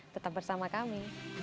tetap bersama kami